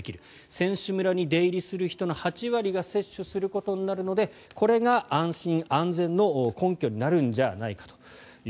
選手村に出入りする人の８割が接種することになるのでこれが安心安全の根拠になるんじゃないかと。